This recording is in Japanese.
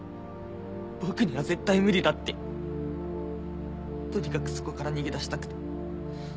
僕には絶対無理だってとにかくそこから逃げ出したくて。